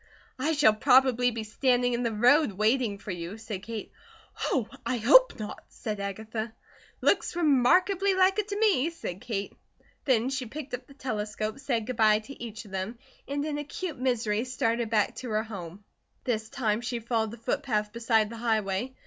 "I shall probably be standing in the road waiting for you," said Kate. "Oh, I hope not," said Agatha. "Looks remarkably like it to me," said Kate. Then she picked up the telescope, said good bye to each of them, and in acute misery started back to her home. This time she followed the footpath beside the highway.